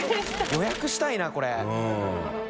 予約したいなこれ。